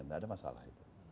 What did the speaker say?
tidak ada masalah